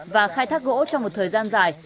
và khai thác gỗ trong một thời gian dài